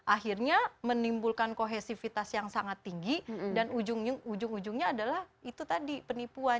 akhirnya menimbulkan kohesivitas yang sangat tinggi dan ujung ujungnya adalah itu tadi penipuan